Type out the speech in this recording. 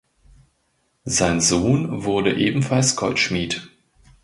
Sein Sohn wurde ebenfalls Goldschmied.